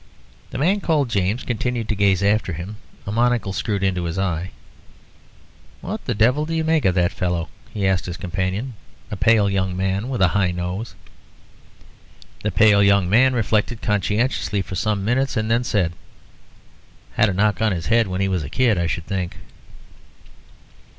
The man called James continued to gaze after him, a monocle screwed into his eye. "What the devil do you make of that fellow?" he asked his companion, a pale young man with a high nose. The pale young man reflected conscientiously for some minutes, and then said "Had a knock on his head when he was a kid, I should think."